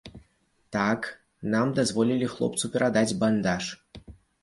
Так, нам дазволілі хлопцу перадаць бандаж.